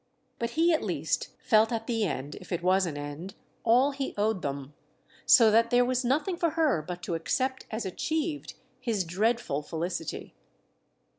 But he at least felt at the end—if it was an end—all he owed them; so that there was nothing for her but to accept as achieved his dreadful felicity.